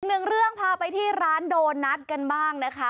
หนึ่งเรื่องพาไปที่ร้านโดนัทกันบ้างนะคะ